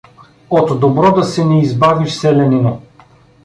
— От добро да се не избавиш, селянино!